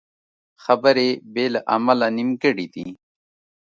خبرې بې له عمله نیمګړې دي